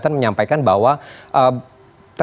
dan pas presiden bagi pak mahfud